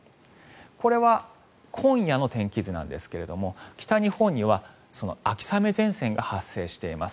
これは今夜の天気図なんですが北日本には秋雨前線が発生しています。